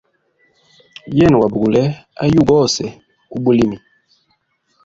Yena gwa bugule ayugu ose ubulimi.